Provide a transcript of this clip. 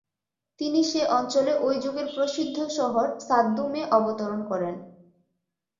তিনি সে অঞ্চলে ঐ যুগের প্রসিদ্ধ শহর সাদ্দূমে অবতরণ করেন।